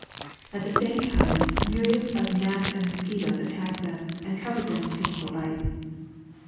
At the same time, myriads of gnats and mosquitoes attacked them, and covered them with painful bites.